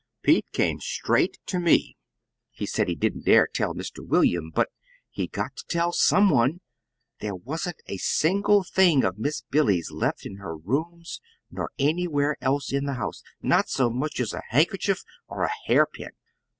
Pete came straight to me. He said he didn't dare tell Mr. William, but he'd got to tell some one: there wasn't one single thing of Miss Billy's left in her rooms nor anywhere else in the house not so much as a handkerchief or a hairpin."